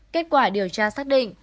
kết quả điều tra xác định